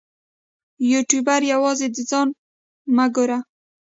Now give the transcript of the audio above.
یوټوبر یوازې د ځان مه ګوري.